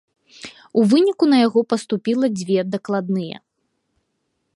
У выніку на яго паступіла дзве дакладныя.